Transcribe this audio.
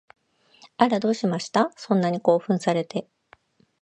あら、どうしました？そんなに興奮されて